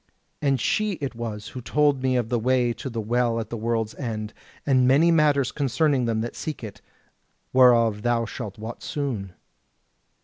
And she it was who told me of the way to the Well at the World's End, and many matters concerning them that seek it, whereof thou shalt wot soon."